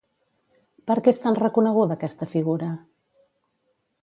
Per què és tan reconeguda aquesta figura?